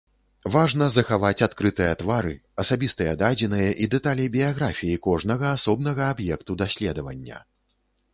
Важна захаваць адкрытыя твары, асабістыя дадзеныя і дэталі біяграфіі кожнага асобнага аб'екту даследавання.